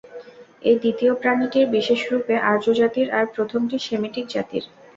এই দ্বিতীয় প্রণালীটি বিশেষরূপে আর্যজাতির, আর প্রথমটি সেমিটিক জাতির।